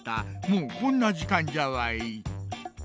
もうこんなじかんじゃわい。